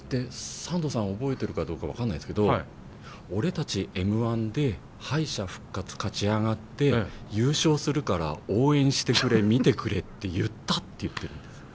サンドさん覚えてるかどうか分かんないんですけど「俺たちＭ‐１で敗者復活勝ち上がって優勝するから応援してくれ見てくれ」って言ったって言ってるんです。